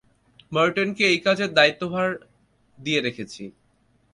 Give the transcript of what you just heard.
মরটনকে এই কাজের দায়িত্বভার দিয়ে রেখেছি।